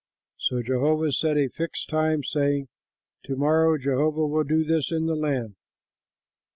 '" So Jehovah set a fixed time, saying, "To morrow Jehovah will do this in the land."